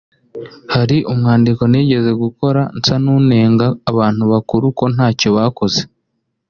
hari umwandiko nigeze gukora nsa nkunenga abantu bakuru ko ntacyo bakoze